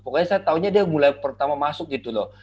pokoknya saya taunya dia mulai pertama masuk gitu loh